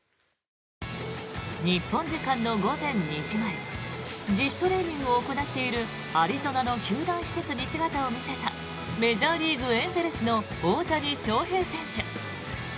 日本時間の午前２時前自主トレーニングを行っているアリゾナの球団施設に姿を見せたメジャーリーグ、エンゼルスの大谷翔平選手。